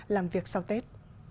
làm việc sau tết